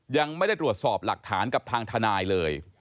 ยังไม่ได้ตรวจสอบหลักฐานกับทางทนายเลย